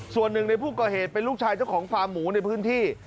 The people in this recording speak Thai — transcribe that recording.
ส่วนหนึ่งในผู้ก่อเหตุเป็นลูกชายเจ้าของฟาร์มหมูในพื้นที่